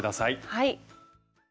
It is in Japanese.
はい。